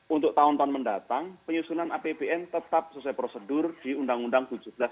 untuk tahun tahun mendatang penyusunan apbn tetap sesuai prosedur di undang undang tujuh belas